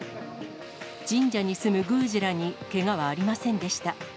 神社に住む宮司らにけがはありませんでした。